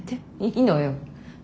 いいのよ。